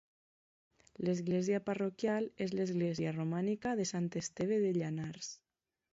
L'església parroquial és l'església romànica de Sant Esteve de Llanars.